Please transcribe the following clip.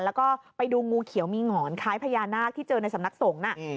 แล้วก็ไปดูงูเขียวมีหงอนคล้ายพญานาคที่เจอในสำนักสงฆ์